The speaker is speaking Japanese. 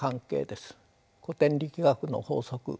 古典力学の法則